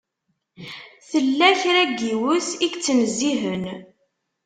Tella kra n yiwet i yettnezzihen.